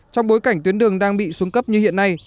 trong bối cảnh tuyến đường đang bị xuống cấp như hiện nay